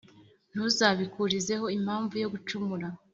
ntuzabikurizeho impamvu yo gucumura.